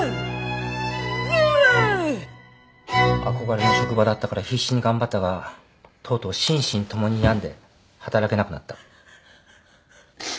憧れの職場だったから必死に頑張ったがとうとう心身共に病んで働けなくなった。